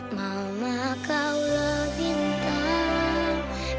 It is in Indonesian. mama kau lah bintang